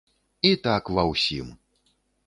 І так ва ўсім!